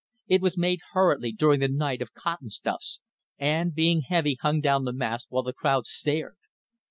It was made hurriedly, during the night, of cotton stuffs, and, being heavy, hung down the mast, while the crowd stared.